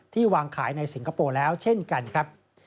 วางขายในสิงคโปร์แล้วเช่นกันครับ